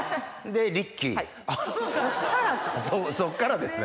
そっからですね。